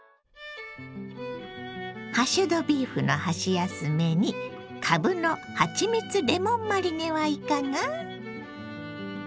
ハッシュドビーフの箸休めにかぶのはちみつレモンマリネはいかが？